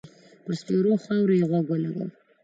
پر سپېرو خاور يې غوږ و لګاوه.